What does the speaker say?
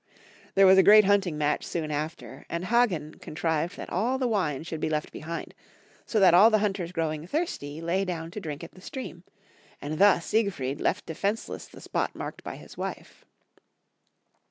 There was a great hunting match soon after, and Haghen contrived that all the \^ine should be left behind, so that all the hunters gromng thirsty, lay down to drink at the stream, and thus Siegfried left defenceless the spot marked by liis wife.